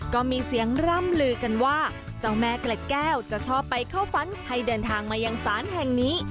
ก็มีเสียงร่ำลือกันว่าเจ้าแม่เกล็ดแก้วจะชอบไปเข้าฝันให้เดินทางมายังศาลแห่งนี้